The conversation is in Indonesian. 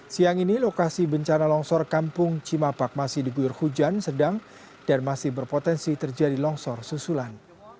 siang ini lokasi bencana longsor kampung cimapak masih diguyur hujan sedang dan masih berpotensi terjadi longsor susulan